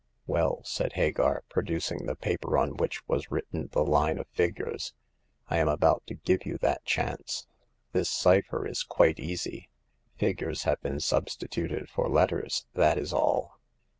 Well," said Hagar, producing the paper on which was written the line of figures, I am about to give you that chance. This cypher is quite easy ; figures have been substituted for letters — that is all.